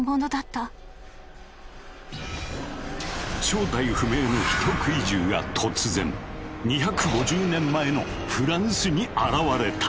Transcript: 正体不明の人食い獣が突然２５０年前のフランスに現れたのだ。